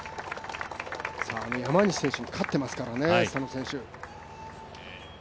山西選手に勝っていますからねスタノ選手。